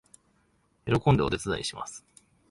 喜んでお手伝いします